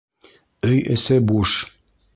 Өй эсе буш.